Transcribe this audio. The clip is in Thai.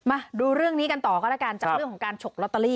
มาดูเรื่องนี้กันต่อก็แล้วกันจากเรื่องของการฉกลอตเตอรี่